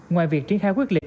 ngoài việc triển khai quyết liệt